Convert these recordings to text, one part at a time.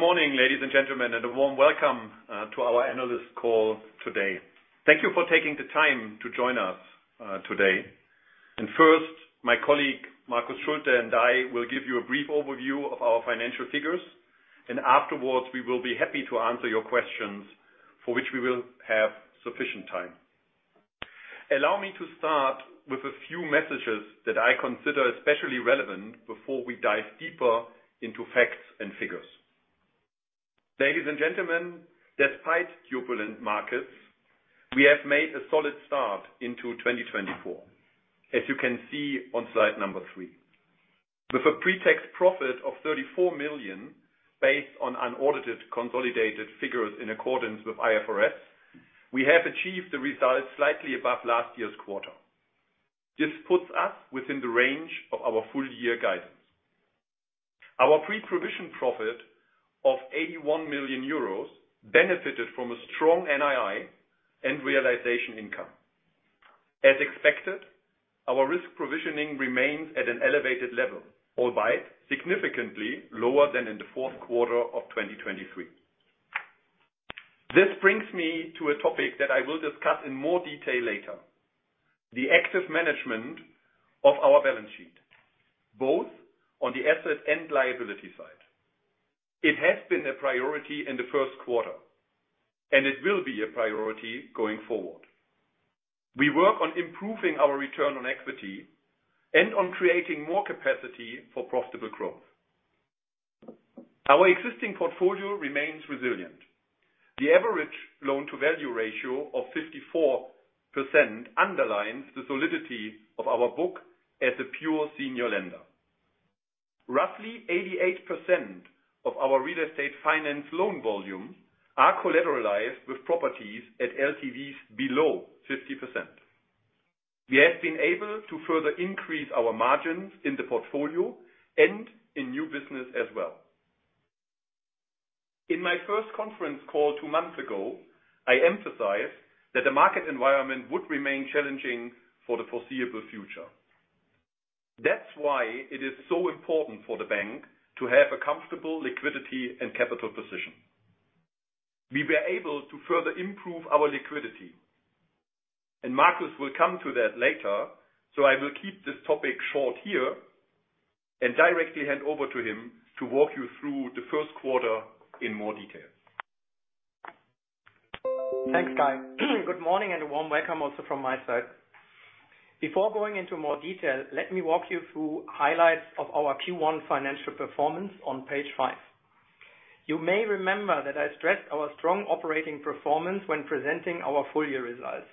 Good morning, ladies and gentlemen, and a warm welcome to our analyst call today. Thank you for taking the time to join us today. First, my colleague Marcus Schulte and I will give you a brief overview of our financial figures, and afterwards we will be happy to answer your questions, for which we will have sufficient time. Allow me to start with a few messages that I consider especially relevant before we dive deeper into facts and figures. Ladies and gentlemen, despite turbulent markets, we have made a solid start into 2024, as you can see on slide number 3. With a pretax profit of 34 million based on unaudited consolidated figures in accordance with IFRS, we have achieved a result slightly above last year's quarter. This puts us within the range of our full-year guidance. Our pre-provision profit of 81 million euros benefited from a strong NII and realization income. As expected, our risk provisioning remains at an elevated level, albeit significantly lower than in the fourth quarter of 2023. This brings me to a topic that I will discuss in more detail later: the active management of our balance sheet, both on the asset and liability side. It has been a priority in the first quarter, and it will be a priority going forward. We work on improving our return on equity and on creating more capacity for profitable growth. Our existing portfolio remains resilient. The average loan-to-value ratio of 54% underlines the solidity of our book as a pure senior lender. Roughly 88% of our real estate finance loan volume are collateralized with properties at LTVs below 50%. We have been able to further increase our margins in the portfolio and in new business as well. In my first conference call two months ago, I emphasized that the market environment would remain challenging for the foreseeable future. That's why it is so important for the bank to have a comfortable liquidity and capital position. We were able to further improve our liquidity, and Marcus will come to that later, so I will keep this topic short here and directly hand over to him to walk you through the first quarter in more detail. Thanks, Kay. Good morning and a warm welcome also from my side. Before going into more detail, let me walk you through highlights of our Q1 financial performance on page 5. You may remember that I stressed our strong operating performance when presenting our full-year results.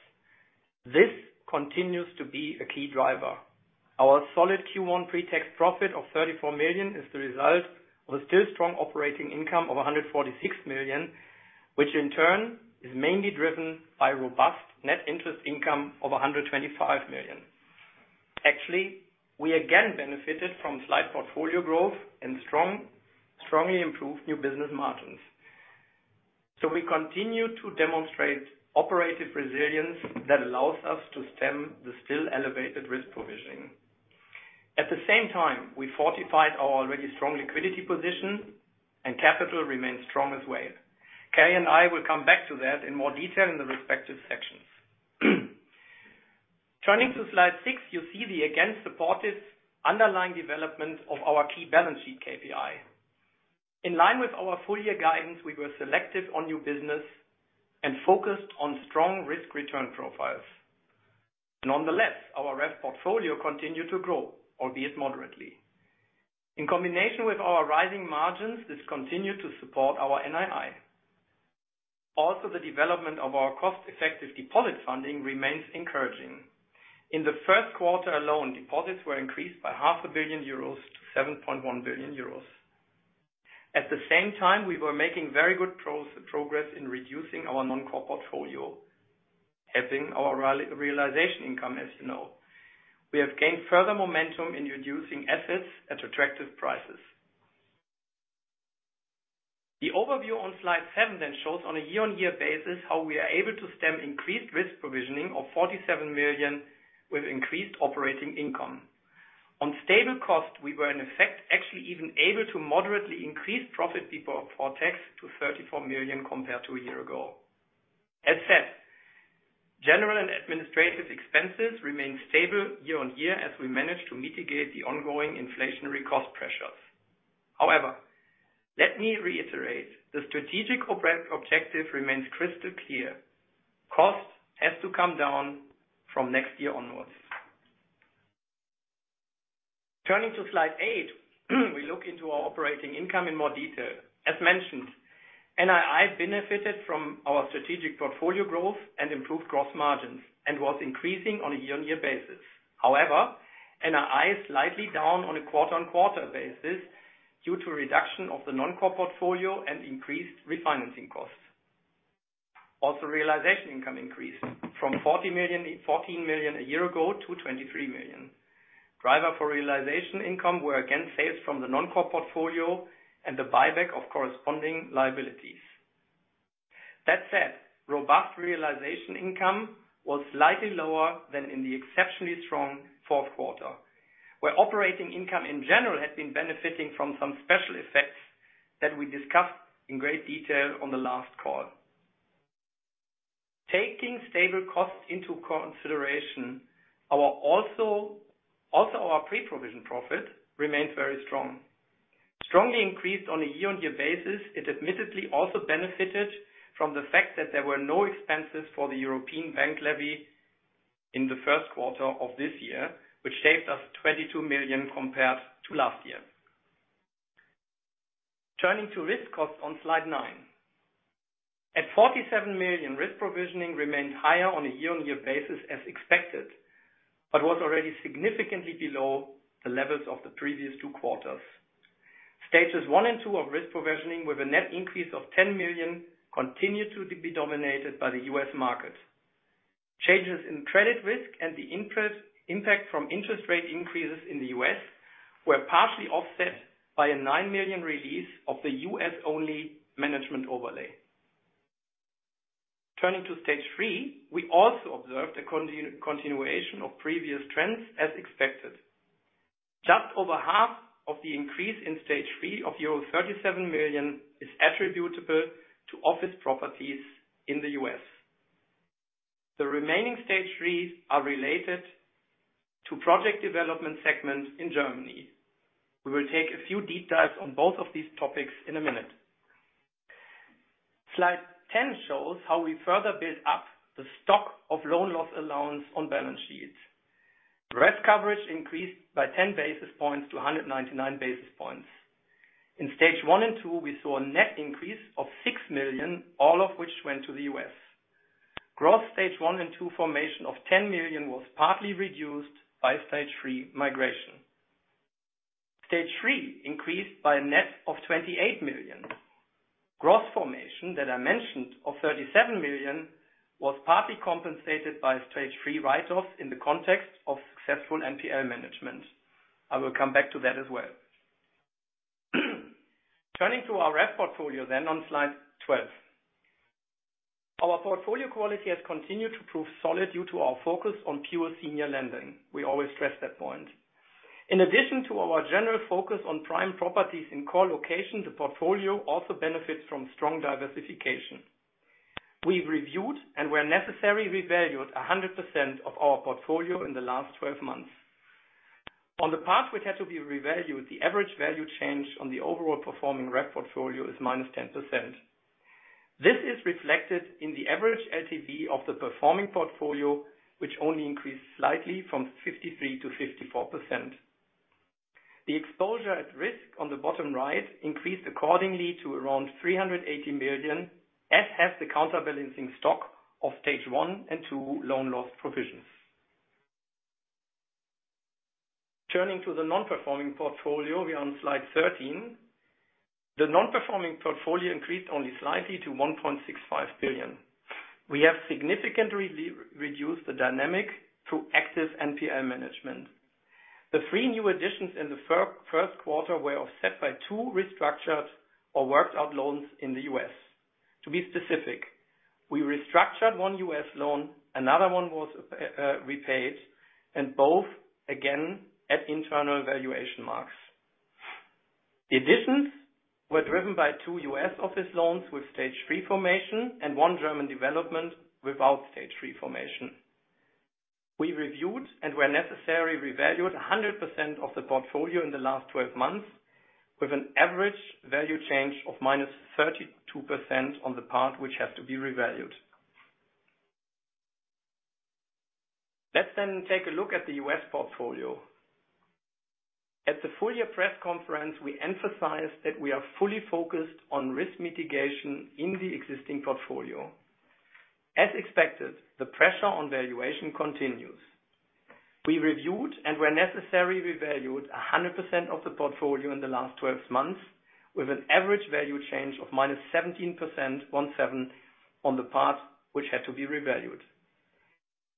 This continues to be a key driver. Our solid Q1 pretax profit of 34 million is the result of a still strong operating income of 146 million, which in turn is mainly driven by robust net interest income of 125 million. Actually, we again benefited from slight portfolio growth and strong, strongly improved new business margins. So we continue to demonstrate operative resilience that allows us to stem the still elevated risk provisioning. At the same time, we fortified our already strong liquidity position, and capital remained strong as well. Kay and I will come back to that in more detail in the respective sections. Turning to slide 6, you see the again supportive underlying development of our key balance sheet KPI. In line with our full-year guidance, we were selective on new business and focused on strong risk-return profiles. Nonetheless, our REF portfolio continued to grow, albeit moderately. In combination with our rising margins, this continued to support our NII. Also, the development of our cost-effective deposit funding remains encouraging. In the first quarter alone, deposits were increased by 500 million euros to 7.1 billion euros. At the same time, we were making very good progress in reducing our non-core portfolio, helping our realization income, as you know. We have gained further momentum in reducing assets at attractive prices. The overview on slide 7 then shows on a year-on-year basis how we are able to stem increased risk provisioning of 47 million with increased operating income. On stable cost, we were in effect actually even able to moderately increase profit before tax to 34 million compared to a year ago. As said, general and administrative expenses remain stable year-on-year as we manage to mitigate the ongoing inflationary cost pressures. However, let me reiterate: the strategic objective remains crystal clear. Cost has to come down from next year onwards. Turning to slide 8, we look into our operating income in more detail. As mentioned, NII benefited from our strategic portfolio growth and improved gross margins and was increasing on a year-on-year basis. However, NII is slightly down on a quarter-on-quarter basis due to reduction of the non-core portfolio and increased refinancing costs. Realization income increased from 14 million a year ago to 23 million. Driver for realization income were again sales from the non-core portfolio and the buyback of corresponding liabilities. That said, robust realization income was slightly lower than in the exceptionally strong fourth quarter, where operating income in general had been benefiting from some special effects that we discussed in great detail on the last call. Taking stable costs into consideration, our pre-provision profit remains very strong. Strongly increased on a year-on-year basis, it admittedly also benefited from the fact that there were no expenses for the European bank levy in the first quarter of this year, which saved us 22 million compared to last year. Turning to risk costs on slide 9. At 47 million, risk provisioning remained higher on a year-on-year basis as expected, but was already significantly below the levels of the previous two quarters. Stages 1 and 2 of risk provisioning with a net increase of 10 million continued to be dominated by the U.S. market. Changes in credit risk and the impact from interest rate increases in the U.S. were partially offset by a 9 million release of the U.S.-only management overlay. Turning to stage 3, we also observed a continuation of previous trends as expected. Just over half of the increase in stage 3 of euro 37 million is attributable to office properties in the U.S. The remaining stage 3 are related to project development segment in Germany. We will take a few deep dives on both of these topics in a minute. Slide 10 shows how we further built up the stock of loan loss allowance on balance sheets. Risk coverage increased by 10 basis points to 199 basis points. In Stage 1 and 2, we saw a net increase of 6 million, all of which went to the US. Gross Stage 1 and 2 formation of 10 million was partly reduced by Stage 3 migration. Stage 3 increased by a net of 28 million. Gross formation that I mentioned of 37 million was partly compensated by Stage 3 write-offs in the context of successful NPL management. I will come back to that as well. Turning to our REF portfolio then on slide 12. Our portfolio quality has continued to prove solid due to our focus on pure senior lending. We always stress that point. In addition to our general focus on prime properties in core location, the portfolio also benefits from strong diversification. We've reviewed and, where necessary, revalued 100% of our portfolio in the last 12 months. On the part which had to be revalued, the average value change on the overall performing RE portfolio is minus 10%. This is reflected in the average LTV of the performing portfolio, which only increased slightly from 53% to 54%. The exposure at risk on the bottom right increased accordingly to around 380 million, as has the counterbalancing stock of Stage 1 and 2 loan loss provisions. Turning to the non-performing portfolio, we are on slide 13. The non-performing portfolio increased only slightly to 1.65 billion. We have significantly reduced the dynamic through active NPL management. The three new additions in the first quarter were offset by two restructured or worked-out loans in the US. To be specific, we restructured one U.S. loan, another one was repaid, and both again at internal valuation marks. The additions were driven by two U.S. office loans with Stage 3 formation and one German development without Stage 3 formation. We reviewed and, where necessary, revalued 100% of the portfolio in the last 12 months with an average value change of -32% on the part which has to be revalued. Let's then take a look at the U.S. portfolio. At the full-year press conference, we emphasized that we are fully focused on risk mitigation in the existing portfolio. As expected, the pressure on valuation continues. We reviewed and, where necessary, revalued 100% of the portfolio in the last 12 months with an average value change of -17% on the part which had to be revalued.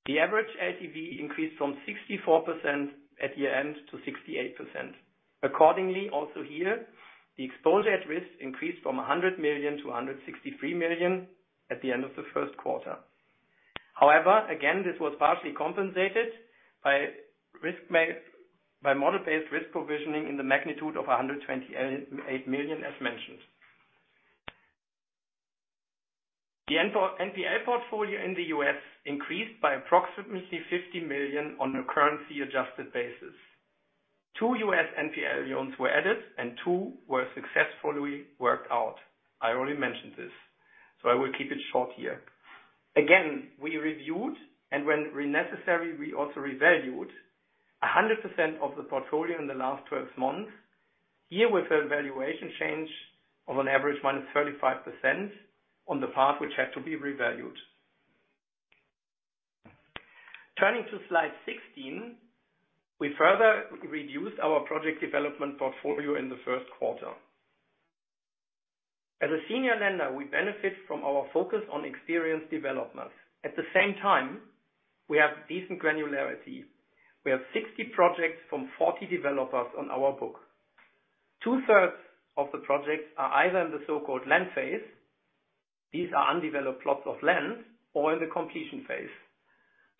The average LTV increased from 64% at year end to 68%. Accordingly, also here, the exposure at risk increased from 100 million-163 million at the end of the first quarter. However, again, this was partially compensated by risk by model-based risk provisioning in the magnitude of 128 million, as mentioned. The NPL portfolio in the US increased by approximately 50 million on a currency-adjusted basis. Two US NPL loans were added, and two were successfully worked out. I already mentioned this, so I will keep it short here. Again, we reviewed and, when necessary, we also revalued 100% of the portfolio in the last 12 months, here with a valuation change of an average -35% on the part which had to be revalued. Turning to slide 16, we further reduced our project development portfolio in the first quarter. As a senior lender, we benefit from our focus on experienced developments. At the same time, we have decent granularity. We have 60 projects from 40 developers on our book. Two-thirds of the projects are either in the so-called land phase. These are undeveloped plots of land or in the completion phase.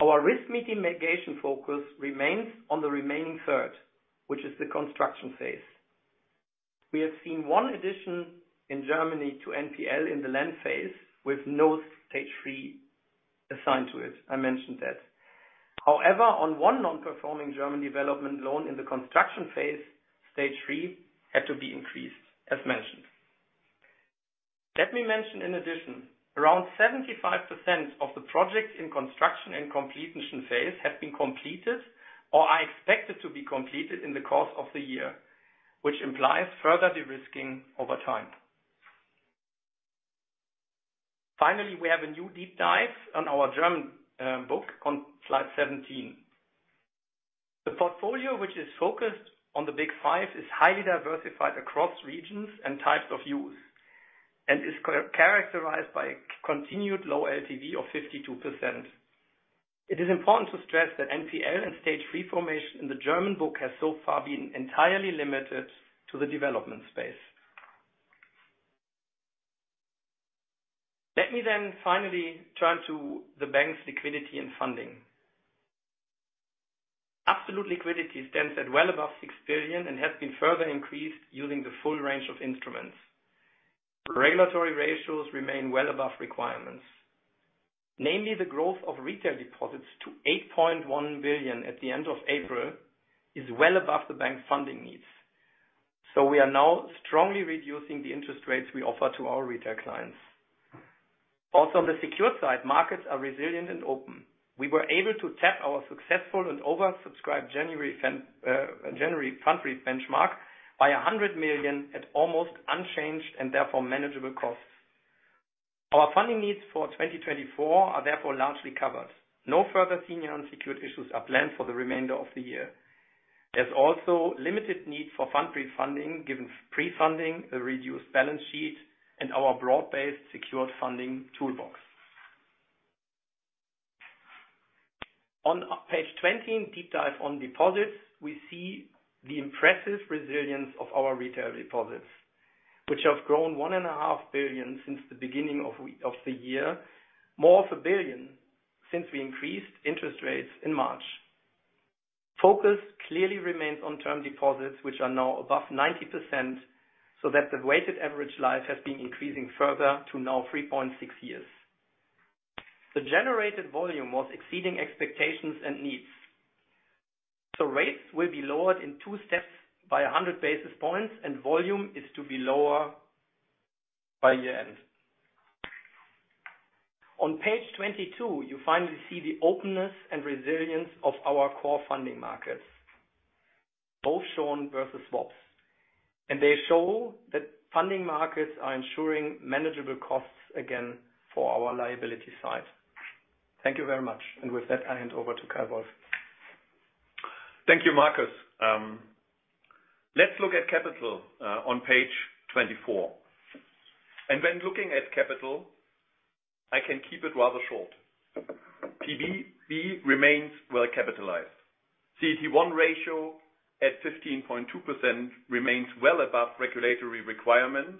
Our risk mitigation focus remains on the remaining third, which is the construction phase. We have seen one addition in Germany to NPL in the land phase with no Stage 3 assigned to it. I mentioned that. However, on one non-performing German development loan in the construction phase, Stage 3 had to be increased, as mentioned. Let me mention in addition: around 75% of the projects in construction and completion phase have been completed or are expected to be completed in the course of the year, which implies further de-risking over time. Finally, we have a new deep dive on our German book on slide 17. The portfolio, which is focused on the Big Five, is highly diversified across regions and types of use and is characterized by a continued low LTV of 52%. It is important to stress that NPL and Stage three formation in the German book have so far been entirely limited to the development space. Let me then finally turn to the bank's liquidity and funding. Absolute liquidity stands at well above 6 billion and has been further increased using the full range of instruments. Regulatory ratios remain well above requirements. Namely, the growth of retail deposits to 8.1 billion at the end of April is well above the bank's funding needs. So we are now strongly reducing the interest rates we offer to our retail clients. Also, on the secure side, markets are resilient and open. We were able to tap our successful and oversubscribed January Pfandbrief benchmark by 100 million at almost unchanged and therefore manageable costs. Our funding needs for 2024 are therefore largely covered. No further senior unsecured issues are planned for the remainder of the year. There's also limited need for Pfandbrief refunding given pre-funding, a reduced balance sheet, and our broad-based secured funding toolbox. On page 12, deep dive on deposits, we see the impressive resilience of our retail deposits, which have grown 1.5 billion since the beginning of the year, more than 1 billion since we increased interest rates in March. Focus clearly remains on term deposits, which are now above 90%, so that the weighted average life has been increasing further to now 3.6 years. The generated volume was exceeding expectations and needs. So rates will be lowered in two steps by 100 basis points, and volume is to be lower by year end. On page 22, you finally see the openness and resilience of our core funding markets, both Schon versus WOPS. They show that funding markets are ensuring manageable costs again for our liability side. Thank you very much. With that, I hand over to Kay Wolf. Thank you, Marcus. Let's look at capital on page 24. When looking at capital, I can keep it rather short. PBB remains well capitalized. CET1 ratio at 15.2% remains well above regulatory requirements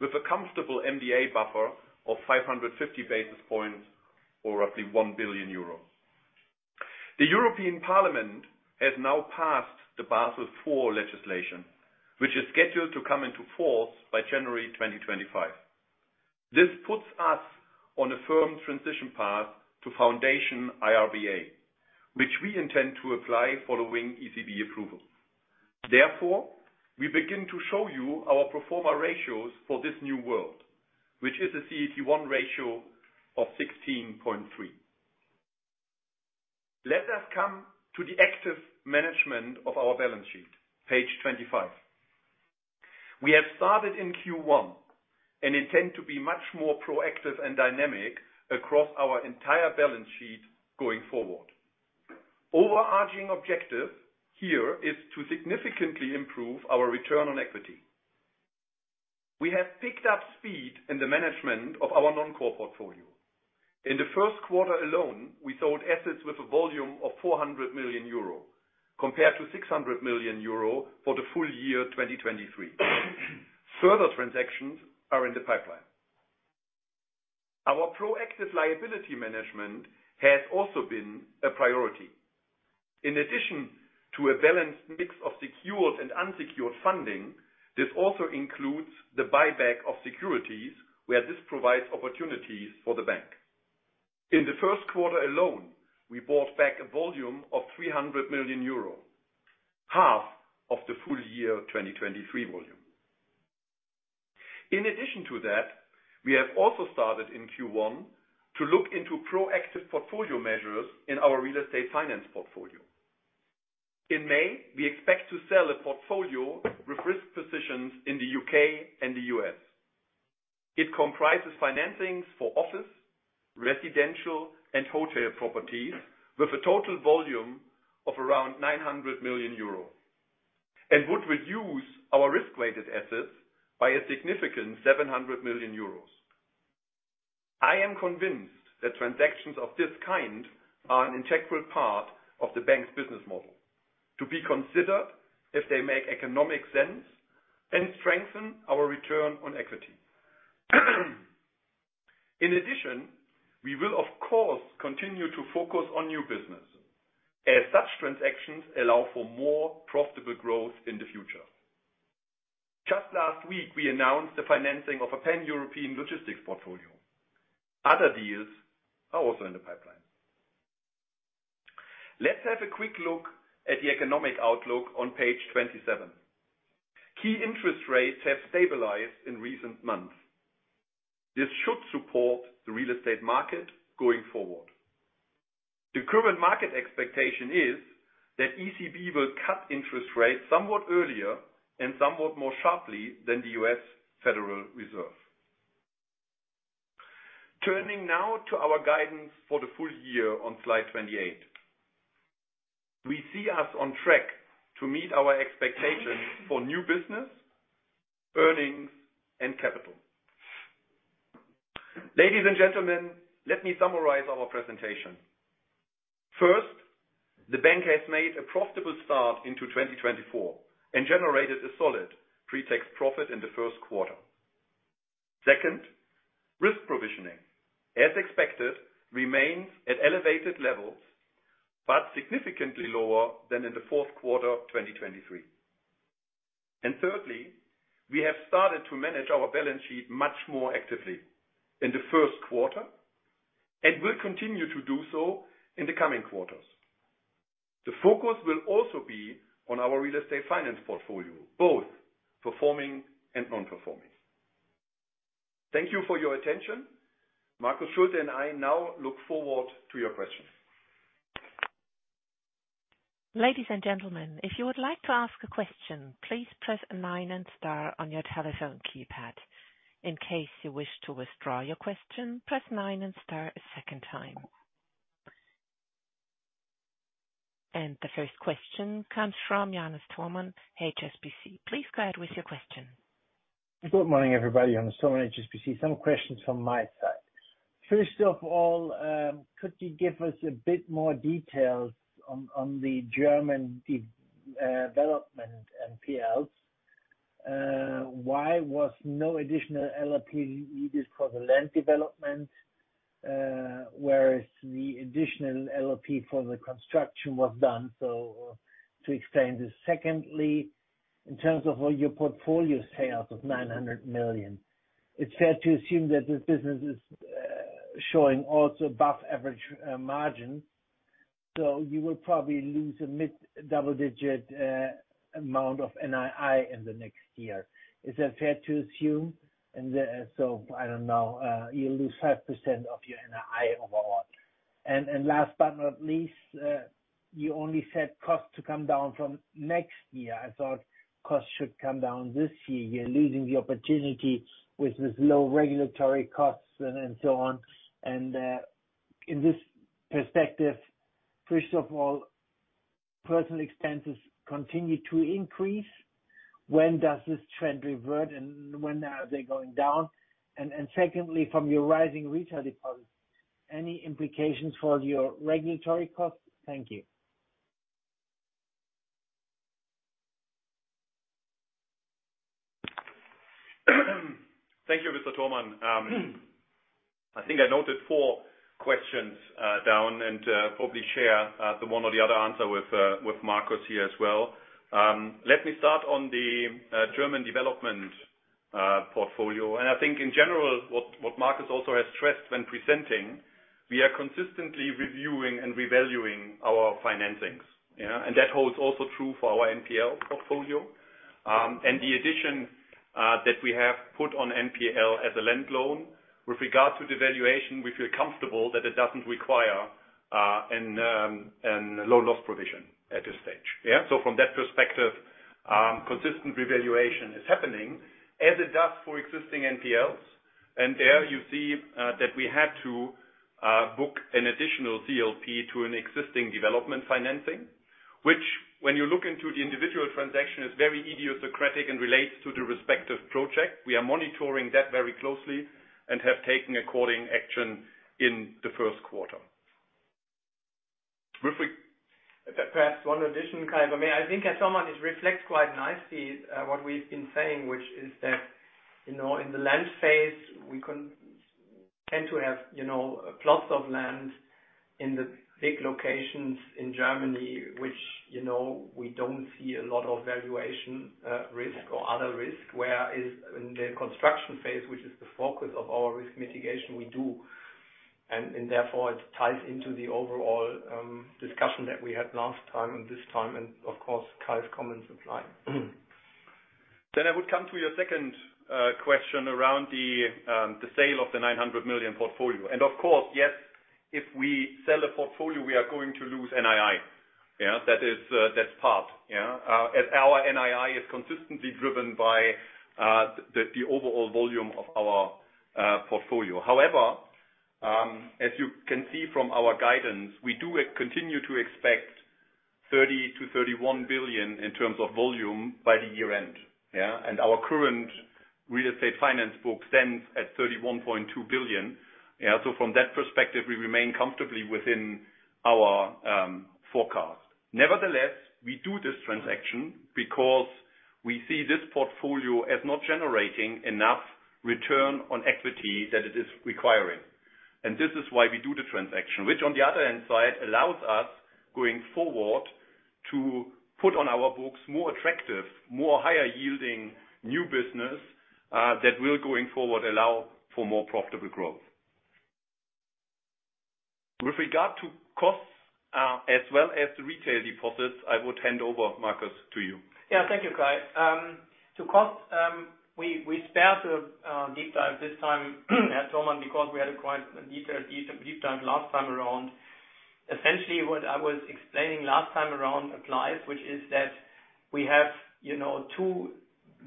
with a comfortable MDA buffer of 550 basis points or roughly 1 billion euro. The European Parliament has now passed the Basel IV legislation, which is scheduled to come into force by January 2025. This puts us on a firm transition path to Foundation IRBA, which we intend to apply following ECB approval. Therefore, we begin to show you our performance ratios for this new world, which is a CET1 ratio of 16.3%. Let us come to the active management of our balance sheet, page 25. We have started in Q1 and intend to be much more proactive and dynamic across our entire balance sheet going forward. Overarching objective here is to significantly improve our return on equity. We have picked up speed in the management of our non-core portfolio. In the first quarter alone, we sold assets with a volume of 400 million euro compared to 600 million euro for the full year 2023. Further transactions are in the pipeline. Our proactive liability management has also been a priority. In addition to a balanced mix of secured and unsecured funding, this also includes the buyback of securities, where this provides opportunities for the bank. In the first quarter alone, we bought back a volume of 300 million euro, half of the full year 2023 volume. In addition to that, we have also started in Q1 to look into proactive portfolio measures in our real estate finance portfolio. In May, we expect to sell a portfolio with risk positions in the U.K. and the U.S. It comprises financings for office, residential, and hotel properties with a total volume of around 900 million euro and would reduce our risk-weighted assets by a significant 700 million euros. I am convinced that transactions of this kind are an integral part of the bank's business model to be considered if they make economic sense and strengthen our return on equity. In addition, we will, of course, continue to focus on new business as such transactions allow for more profitable growth in the future. Just last week, we announced the financing of a pan-European logistics portfolio. Other deals are also in the pipeline. Let's have a quick look at the economic outlook on page 27. Key interest rates have stabilized in recent months. This should support the real estate market going forward. The current market expectation is that ECB will cut interest rates somewhat earlier and somewhat more sharply than the U.S. Federal Reserve. Turning now to our guidance for the full year on slide 28. We see us on track to meet our expectations for new business, earnings, and capital. Ladies and gentlemen, let me summarize our presentation. First, the bank has made a profitable start into 2024 and generated a solid pretax profit in the first quarter. Second, risk provisioning, as expected, remains at elevated levels but significantly lower than in the fourth quarter 2023. Thirdly, we have started to manage our balance sheet much more actively in the first quarter and will continue to do so in the coming quarters. The focus will also be on our real estate finance portfolio, both performing and non-performing. Thank you for your attention. Marcus Schulte and I now look forward to your questions. Ladies and gentlemen, if you would like to ask a question, please press a nine and star on your telephone keypad. In case you wish to withdraw your question, press nine and star a second time. The first question comes from Johannes Thormann, HSBC. Please go ahead with your question. Good morning, everybody. Johannes Thormann, HSBC. Some questions from my side. First of all, could you give us a bit more details on the German development NPLs? Why was no additional LTV needed for the land development, whereas the additional LTV for the construction was done? So to explain this. Secondly, in terms of your portfolio sales of 900 million, it's fair to assume that this business is showing also above-average margin. So you will probably lose a mid-double-digit amount of NII in the next year. Is that fair to assume? And so I don't know. You'll lose 5% of your NII overall. And last but not least, you only said costs to come down from next year. I thought costs should come down this year. You're losing the opportunity with this low regulatory costs and so on. And in this perspective, first of all, personal expenses continue to increase. When does this trend revert, and when are they going down? And secondly, from your rising retail deposits, any implications for your regulatory costs? Thank you. Thank you, Mr. Thormann. I think I noted four questions down and probably share the one or the other answer with Marcus here as well. Let me start on the German development portfolio. I think, in general, what Marcus also has stressed when presenting, we are consistently reviewing and revaluing our financings. And that holds also true for our NPL portfolio. And the addition that we have put on NPL as a land loan, with regard to devaluation, we feel comfortable that it doesn't require a loan loss provision at this stage. So from that perspective, consistent revaluation is happening as it does for existing NPLs. There you see that we had to book an additional CLP to an existing development financing, which, when you look into the individual transaction, is very idiosyncratic and relates to the respective project. We are monitoring that very closely and have taken appropriate action in the first quarter. Perhaps one addition, Kay, if I may. I think, as one man, it reflects quite nicely what we've been saying, which is that in the land phase, we tend to have plots of land in the big locations in Germany, which we don't see a lot of valuation risk or other risk, whereas in the construction phase, which is the focus of our risk mitigation, we do. And therefore, it ties into the overall discussion that we had last time and this time and, of course, Kay's comments apply. Then I would come to your second question around the sale of the 900 million portfolio. And of course, yes, if we sell a portfolio, we are going to lose NII. That's part. Our NII is consistently driven by the overall volume of our portfolio. However, as you can see from our guidance, we do continue to expect 30 billion-31 billion in terms of volume by the year end. And our current real estate finance book stands at 31.2 billion. So from that perspective, we remain comfortably within our forecast. Nevertheless, we do this transaction because we see this portfolio as not generating enough return on equity that it is requiring. And this is why we do the transaction, which, on the other hand side, allows us, going forward, to put on our books more attractive, more higher-yielding new business that will, going forward, allow for more profitable growth. With regard to costs as well as the retail deposits, I would hand over, Marcus, to you. Yeah. Thank you, Kay. To costs, we spare the deep dive this time, Herr Thormann, because we had a quite detailed deep dive last time around. Essentially, what I was explaining last time around applies, which is that we have two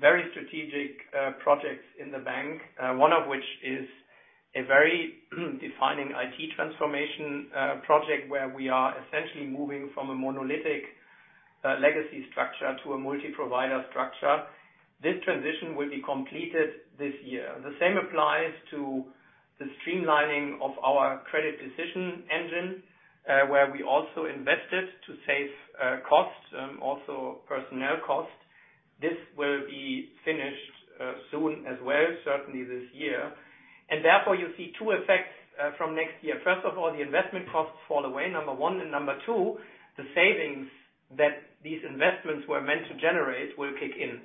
very strategic projects in the bank, one of which is a very defining IT transformation project where we are essentially moving from a monolithic legacy structure to a multi-provider structure. This transition will be completed this year. The same applies to the streamlining of our credit decision engine, where we also invested to save costs, also personnel costs. This will be finished soon as well, certainly this year. And therefore, you see two effects from next year. First of all, the investment costs fall away, number one. And number two, the savings that these investments were meant to generate will kick in.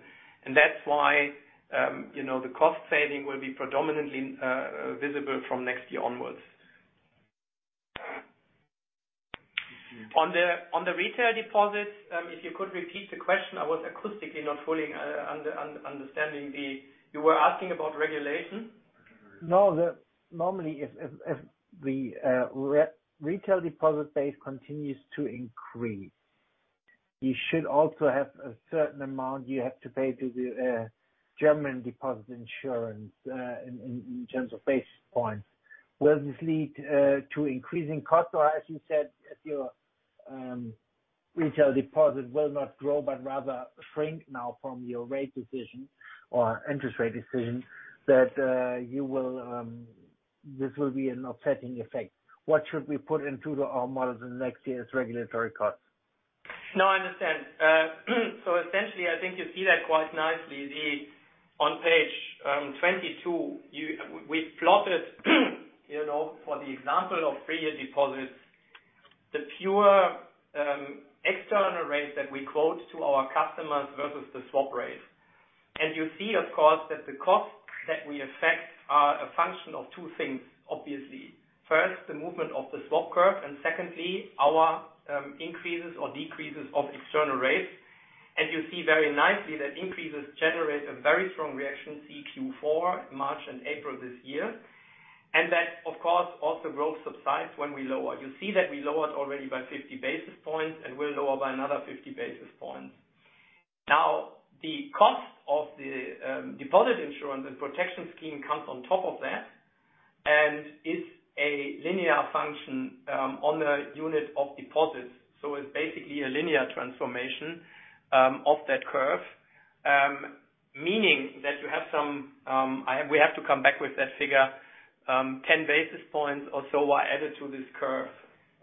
And that's why the cost saving will be predominantly visible from next year onwards. On the retail deposits, if you could repeat the question, I was acoustically not fully understanding what you were asking about regulation? No, normally, if the retail deposit base continues to increase, you should also have a certain amount you have to pay to the German deposit insurance in terms of basis points. Will this lead to increasing costs or, as you said, if your retail deposit will not grow but rather shrink now from your rate decision or interest rate decision, that this will be an offsetting effect? What should we put into our models in the next year as regulatory costs? No, I understand. So essentially, I think you see that quite nicely. On page 22, we've plotted, for the example of three-year deposits, the pure external rate that we quote to our customers versus the swap rate. You see, of course, that the costs that we affect are a function of two things, obviously. First, the movement of the swap curve. Secondly, our increases or decreases of external rates. You see very nicely that increases generate a very strong reaction, see Q4, March and April this year. That, of course, also growth subsides when we lower. You see that we lowered already by 50 basis points and will lower by another 50 basis points. Now, the cost of the deposit insurance and protection scheme comes on top of that and is a linear function on the unit of deposits. So it's basically a linear transformation of that curve, meaning that you have, so we have to come back with that figure, 10 basis points or so are added to this curve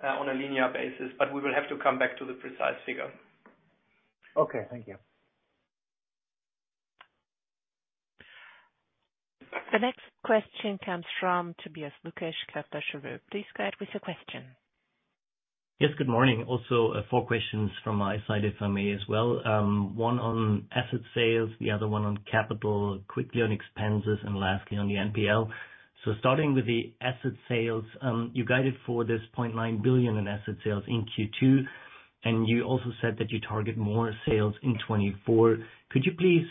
on a linear basis. But we will have to come back to the precise figure. Okay. Thank you. The next question comes from Tobias Lukesch, Kepler Cheuvreux. Please go ahead with your question. Yes. Good morning. Also, four questions from my side, if I may, as well. One on asset sales, the other one on capital, quickly on expenses, and lastly, on the NPL. So starting with the asset sales, you guided for this 0.9 billion in asset sales in Q2. And you also said that you target more sales in 2024. Could you please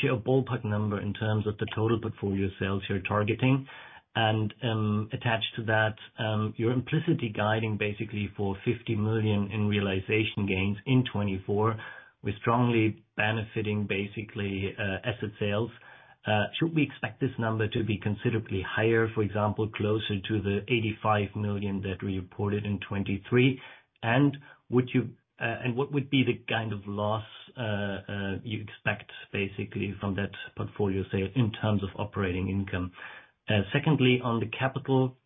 share a ballpark number in terms of the total portfolio sales you're targeting? Attached to that, your implicitly guiding, basically, for 50 million in realization gains in 2024 with strongly benefiting, basically, asset sales. Should we expect this number to be considerably higher, for example, closer to the 85 million that we reported in 2023? And what would be the kind of loss you expect, basically, from that portfolio sale in terms of operating income? Secondly, on the capital,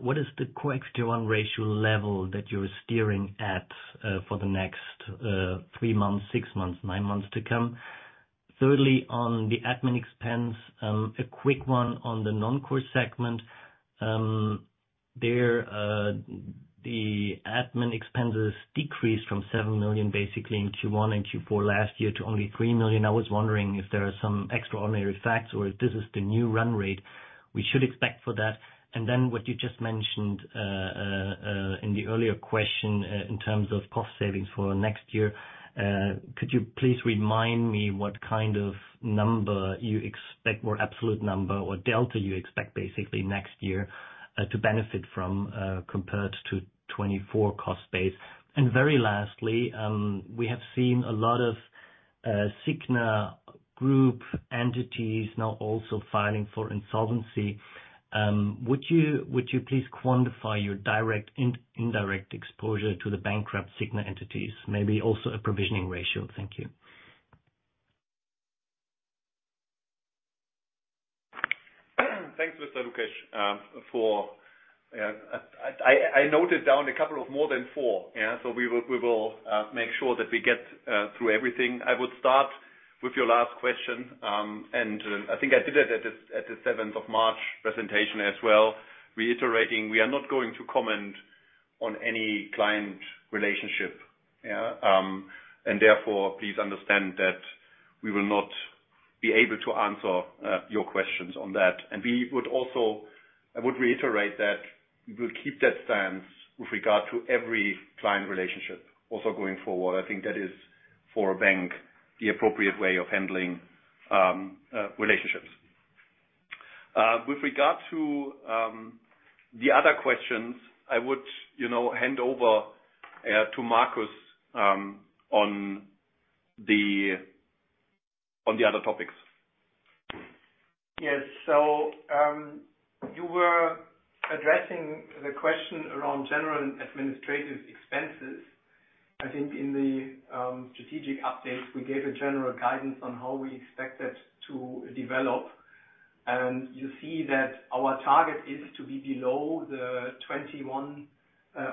what is the CET1 ratio level that you're steering at for the next three months, six months, nine months to come? Thirdly, on the admin expense, a quick one on the non-core segment. There, the admin expenses decreased from 7 million, basically, in Q1 and Q4 last year to only 3 million. I was wondering if there are some extraordinary facts or if this is the new run rate we should expect for that. And then what you just mentioned in the earlier question in terms of cost savings for next year, could you please remind me what kind of number you expect or absolute number or delta you expect, basically, next year to benefit from compared to 2024 cost base? And very lastly, we have seen a lot of Signa Group entities now also filing for insolvency. Would you please quantify your direct and indirect exposure to the bankrupt Signa entities, maybe also a provisioning ratio? Thank you. Thanks, Mr. Lukesch. I noted down a couple of more than four. So we will make sure that we get through everything. I would start with your last question. And I think I did it at the 7th of March presentation as well, reiterating, we are not going to comment on any client relationship. Therefore, please understand that we will not be able to answer your questions on that. I would reiterate that we will keep that stance with regard to every client relationship also going forward. I think that is, for a bank, the appropriate way of handling relationships. With regard to the other questions, I would hand over to Marcus on the other topics. Yes. So you were addressing the question around general administrative expenses. I think in the strategic updates, we gave a general guidance on how we expect that to develop. You see that our target is to be below the 2021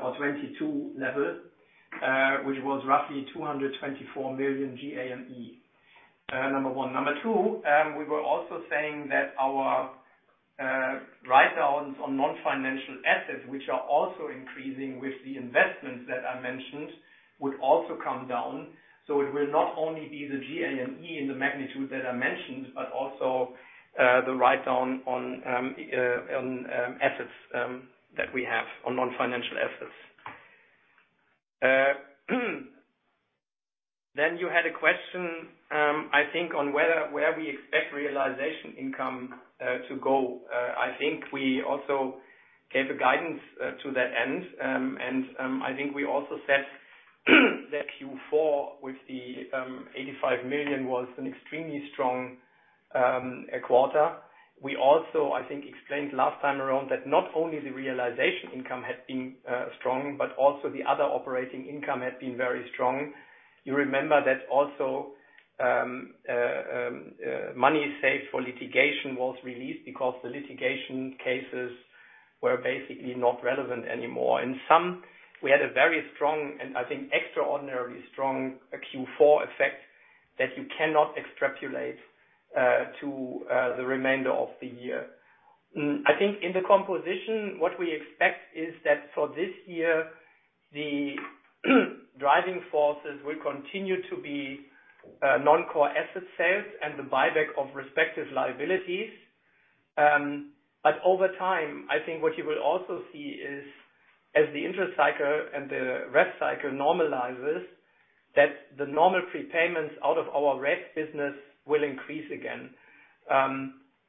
or 2022 level, which was roughly 224 million G&A, number one. Number two, we were also saying that our write-downs on non-financial assets, which are also increasing with the investments that I mentioned, would also come down. So it will not only be the G&A in the magnitude that I mentioned but also the write-down on assets that we have, on non-financial assets. Then you had a question, I think, on where we expect realization income to go. I think we also gave a guidance to that end. And I think we also said that Q4 with the 85 million was an extremely strong quarter. We also, I think, explained last time around that not only the realization income had been strong but also the other operating income had been very strong. You remember that also money saved for litigation was released because the litigation cases were basically not relevant anymore. In some, we had a very strong and, I think, extraordinarily strong Q4 effect that you cannot extrapolate to the remainder of the year. I think in the composition, what we expect is that for this year, the driving forces will continue to be non-core asset sales and the buyback of respective liabilities. But over time, I think what you will also see is, as the interest cycle and the REF cycle normalizes, that the normal prepayments out of our REF business will increase again.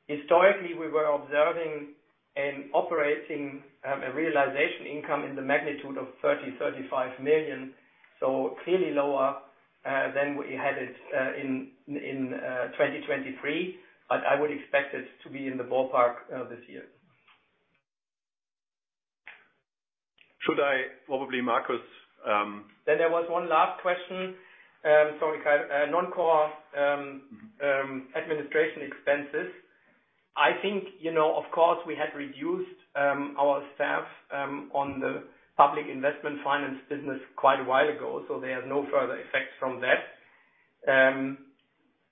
Historically, we were observing and operating a realization income in the magnitude of 30-35 million, so clearly lower than we had it in 2023. But I would expect it to be in the ballpark this year. Should I probably, Marcus? Then there was one last question. Sorry, Kay. Non-core administration expenses. I think, of course, we had reduced our staff on the public investment finance business quite a while ago. So there's no further effect from that.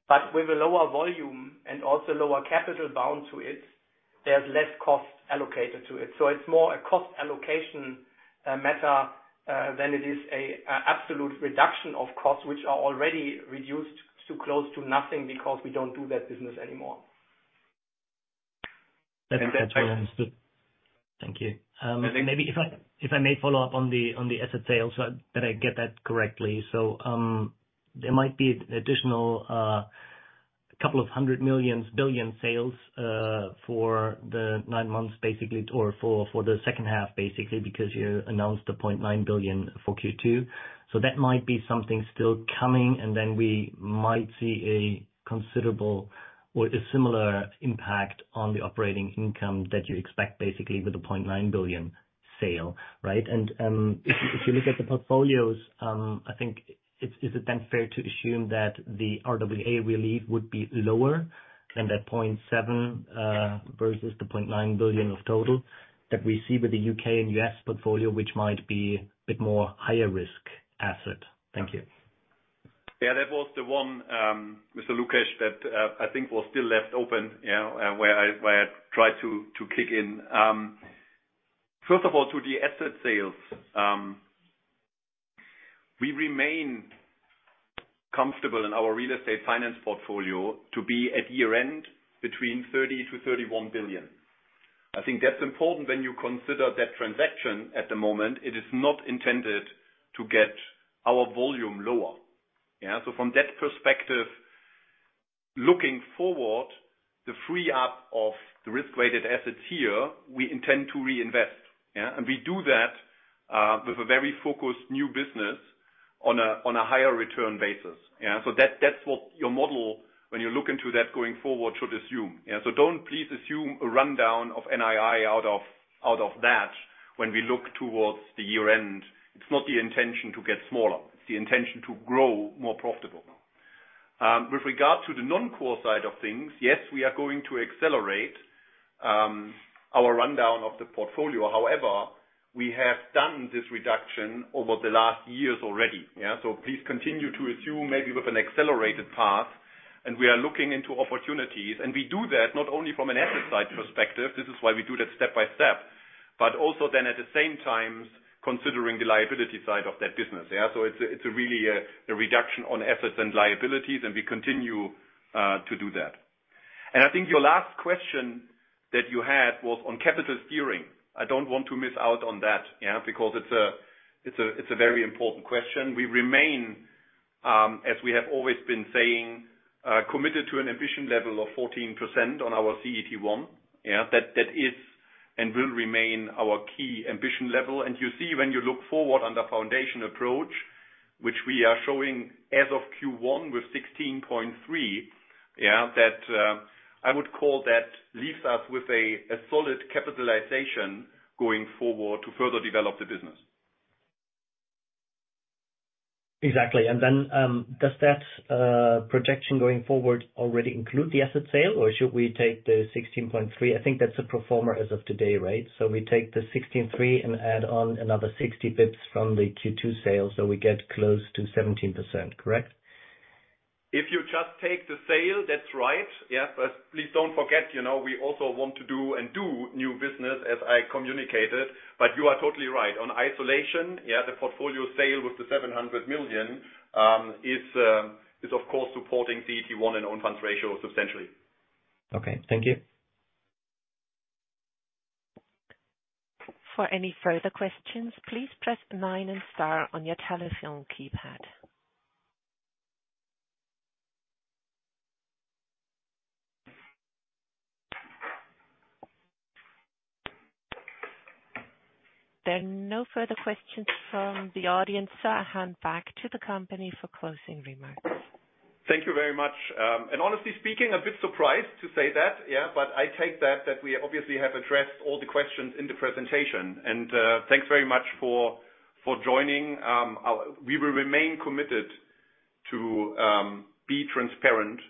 But with a lower volume and also lower capital bound to it, there's less cost allocated to it. So it's more a cost allocation matter than it is an absolute reduction of costs, which are already reduced to close to nothing because we don't do that business anymore. That's very understood. Thank you. Maybe if I may follow up on the asset sales that I get that correctly. So there might be an additional couple of 100 million, 1 billion sales for the nine months, basically, or for the second half, basically, because you announced the 0.9 billion for Q2. So that might be something still coming. And then we might see a considerable or a similar impact on the operating income that you expect, basically, with the 0.9 billion sale, right? And if you look at the portfolios, I think is it then fair to assume that the RWA relief would be lower than that 0.7 billion versus the 0.9 billion of total that we see with the U.K. and U.S. portfolio, which might be a bit more higher-risk asset? Thank you. Yeah. That was the one, Mr. Lukesch, that I think was still left open where I tried to kick in. First of all, to the asset sales, we remain comfortable in our real estate finance portfolio to be at year-end between 30 billion-31 billion. I think that's important when you consider that transaction at the moment. It is not intended to get our volume lower. So from that perspective, looking forward, the free-up of the risk-weighted assets here, we intend to reinvest. And we do that with a very focused new business on a higher-return basis. So that's what your model, when you look into that going forward, should assume. So don't please assume a rundown of NII out of that when we look towards the year-end. It's not the intention to get smaller. It's the intention to grow more profitable. With regard to the non-core side of things, yes, we are going to accelerate our rundown of the portfolio. However, we have done this reduction over the last years already. So please continue to assume maybe with an accelerated path. And we are looking into opportunities. And we do that not only from an asset-side perspective, this is why we do that step by step, but also then, at the same time, considering the liability side of that business. So it's really a reduction on assets and liabilities. And we continue to do that. I think your last question that you had was on capital steering. I don't want to miss out on that because it's a very important question. We remain, as we have always been saying, committed to an ambition level of 14% on our CET1. That is and will remain our key ambition level. You see when you look forward under foundation approach, which we are showing as of Q1 with 16.3%, that I would call that leaves us with a solid capitalization going forward to further develop the business. Exactly. And then does that projection going forward already include the asset sale, or should we take the 16.3%? I think that's the figure as of today, right? So we take the 16.3% and add on another 60 bps from the Q2 sale. So we get close to 17%, correct? If you just take the sale, that's right. But please don't forget, we also want to do and do new business, as I communicated. But you are totally right. In isolation, the portfolio sale with the 700 million is, of course, supporting CET1 and own-funds ratio substantially. Okay. Thank you. For any further questions, please press 9 and star on your telephone keypad. There are no further questions from the audience. So I'll hand back to the company for closing remarks. Thank you very much. And honestly speaking, a bit surprised to say that. But I take that we obviously have addressed all the questions in the presentation. And thanks very much for joining. We will remain committed to be transparent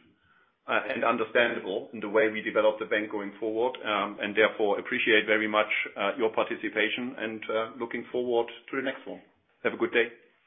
and understandable in the way we develop the bank going forward. And therefore, appreciate very much your participation and looking forward to the next one. Have a good day.